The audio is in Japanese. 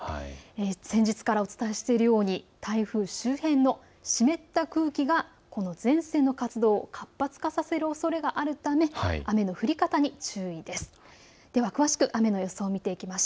先日からお伝えしているように台風周辺の湿った空気が前線の活動を活発化させるおそれがあるため雨の降り方に注意です。